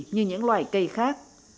như những loài cây khác